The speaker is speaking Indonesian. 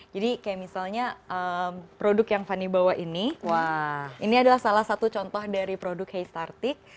jadi kayak misalnya produk yang fanny bawa ini ini adalah salah satu contoh dari produk heystartik